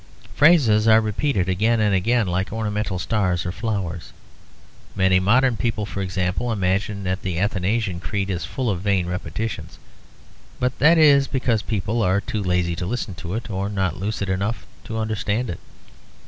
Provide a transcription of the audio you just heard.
Phrases are repeated again and again like ornamental stars or flowers. Many modern people, for example, imagine that the Athanasian Creed is full of vain repetitions; but that is because people are too lazy to listen to it, or not lucid enough to understand it.